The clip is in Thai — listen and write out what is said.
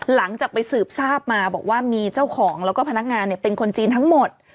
หลังจากไปสืบทราบมาบอกว่ามีเจ้าของแล้วก็พนักงานเป็นคนจีนทั้งหมด